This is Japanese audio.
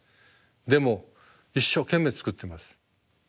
でも一生懸命作ってます。